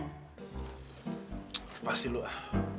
terpaksa lu ah